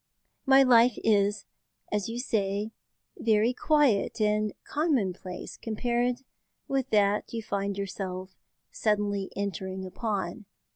My life is, as you say, very quiet and commonplace compared with that you find yourself suddenly entering upon.